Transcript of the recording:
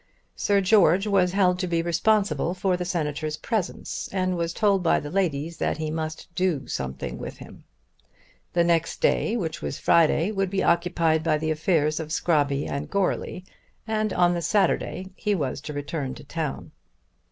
Sir George was held to be responsible for the Senator's presence, and was told by the ladies that he must do something with him. The next day, which was Friday, would be occupied by the affairs of Scrobby and Goarly, and on the Saturday he was to return to town.